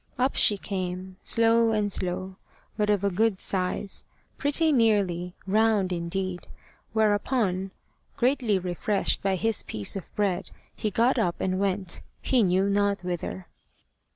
Up she came, slow and slow, but of a good size, pretty nearly round indeed; whereupon, greatly refreshed with his piece of bread, he got up and went he knew not whither.